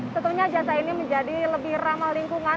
tentunya jasa ini menjadi lebih ramah lingkungan